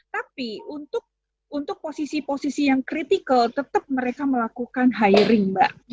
tapi untuk posisi posisi yang kritikal tetap mereka melakukan hiring mbak